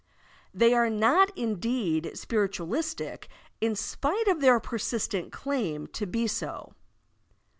They are not indeed spiritualistic in spite of their persistent claim to be so.